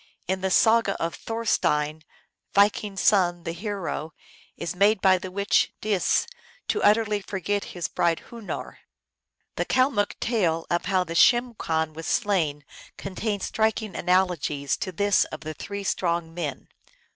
In the saga of Thorstein, Viking s son the hero, is made by the witch Dis to utterly forget his bride Hunoor. The Kalmuk tale of How the Schimm Khan was Slain contains striking analogies to this of the Three Strong Men.